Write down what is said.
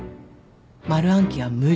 丸暗記は無理。